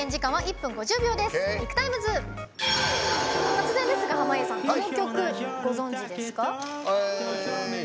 突然ですが、濱家さんこの曲、ご存じですか？